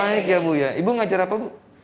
naik ya bu ya ibu ngajar apa bu